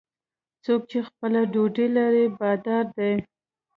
څوک چې خپله ډوډۍ لري، بادار دی.